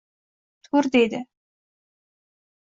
Tur! — deydi. —